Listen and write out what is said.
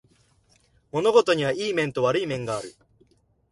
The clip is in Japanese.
物事にはいい面と悪い面がある